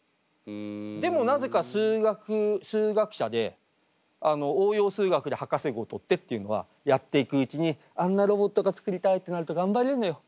でもなぜか数学数学者で応用数学で博士号取ってっていうのはやっていくうちにあんなロボットが作りたいってなると頑張れるのよ。